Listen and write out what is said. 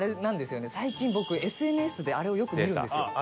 最近僕ＳＮＳであれをよく見るんですよ。